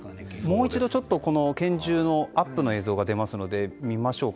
もう一度拳銃のアップの映像を見ましょうか。